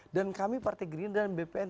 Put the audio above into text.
dan kami partai gerindaran bpn